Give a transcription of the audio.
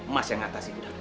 mas yang ngatasi itu dah dulu